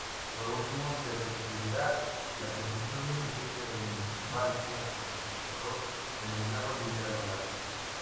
Por último, se requerirá la construcción de un pequeño embalse compensador, denominado "Villa Lola".